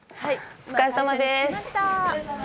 お疲れさまです。